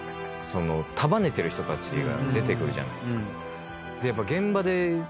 束ねてる人たちが出てくるじゃないですか。